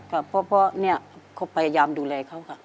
ค่ะเพราะเนี่ยเขาพยายามดูแลเขาค่ะ